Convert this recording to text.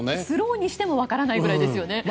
スローにしても分からないぐらいですよね。